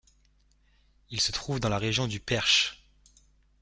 Il se trouve dans la région du Perche.